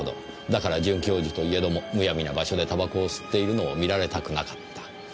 だから准教授といえどもむやみな場所で煙草を吸っているのを見られたくなかった。